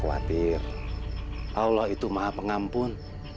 allah itu maha pengampun